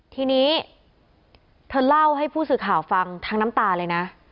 ทีนี้เธอเล่าให้ผู้สื่อข่าวฟังทั้งน้ำตาเลยนะ